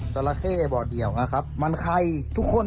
จราเข้บ่อเดี่ยวนะครับมันใครทุกคน